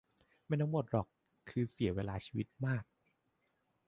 ไม่ทั้งหมดหรอก คือเสียเวลาชีวิตมาก